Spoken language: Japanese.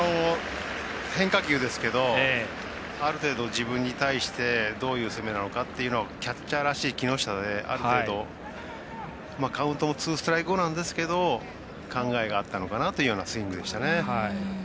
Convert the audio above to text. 変化球ですけどある程度自分に対してどういう攻めなのかっていうのをキャッチャーらしい木下である程度カウントもツーストライク後なんですけど考えがあったのかなというようなスイングでしたね。